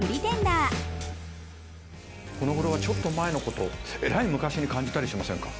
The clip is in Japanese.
このごろはちょっと前のことえらい昔に感じたりしませんか？